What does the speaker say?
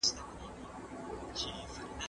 فعالیت باید زړه چټک کړي.